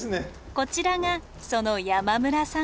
こちらがその山村さん。